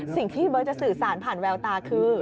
ที่เบิร์ตจะสื่อสารผ่านแววตาคือ